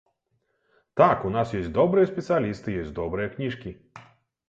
Так, у нас ёсць добрыя спецыялісты, ёсць добрыя кніжкі.